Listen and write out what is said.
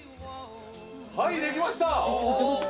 はい、出来ました。